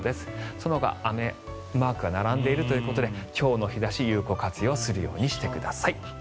そのほか雨マークが並んでいるということで今日の日差しを有効活用するようにしてください。